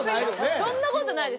そんな事ないです。